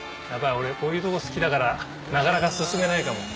俺こういうとこ好きだからなかなか進めないかも。